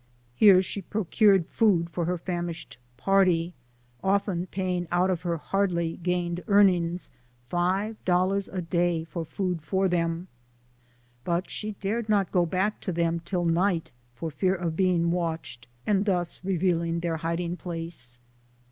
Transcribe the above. Here she procured food for her famished party, often paying out of her hardly gained earnings, five dollars a day for food for them. But she dared not go back to them till night, for 'fear of being watched, and thus reveal ing their hiding place.